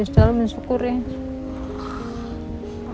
kita selalu menunjukan